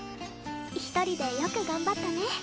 一人でよく頑張ったね。